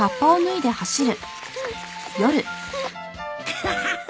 ハハハハ。